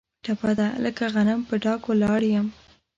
ټپه ده: لکه غنم په ډاګ ولاړ یم.